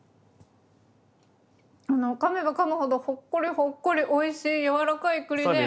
かめばかむほどほっこりほっこりおいしい柔らかい栗で。